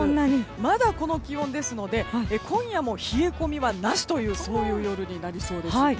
まだこの気温ですので今夜も冷え込みはなしというそういう夜になりそうです。